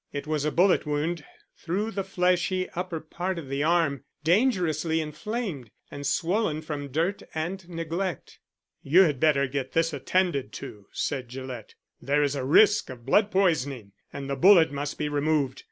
It was a bullet wound through the fleshy upper part of the arm, dangerously inflamed and swollen from dirt and neglect. "You had better get this attended to," said Gillett. "There is a risk of blood poisoning and the bullet must be removed.